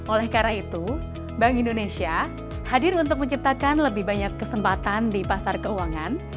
oleh karena itu bank indonesia hadir untuk menciptakan lebih banyak kesempatan di pasar keuangan